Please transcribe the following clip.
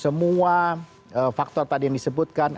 semua faktor tadi yang disebutkan